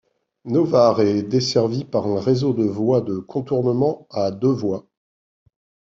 Novare est desservie par un réseau de voies de contournement à deux voies.